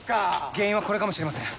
原因はこれかもしれません。